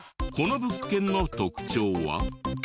この物件の特徴は？